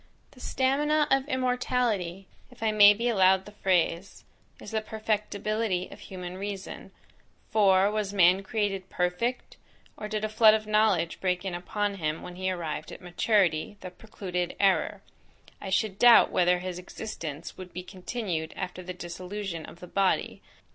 The stamina of immortality, if I may be allowed the phrase, is the perfectibility of human reason; for, was man created perfect, or did a flood of knowledge break in upon him, when he arrived at maturity, that precluded error, I should doubt whether his existence would be continued after the dissolution of the body.